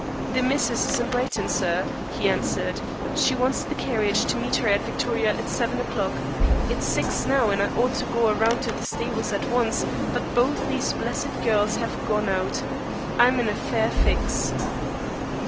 "The missus is in Brighton, sir," he answered. "She wants the carriage to meet her at Victoria at seven o'clock. It's six now, and I ought to go around to the stables at once, but both these blessed girls have gone out. I'm in a fair fix."